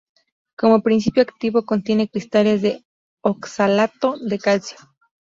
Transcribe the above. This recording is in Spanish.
Como principio activo contiene cristales de oxalato de calcio.